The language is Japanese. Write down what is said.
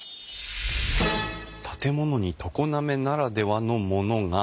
「建物に常滑ならではのものが！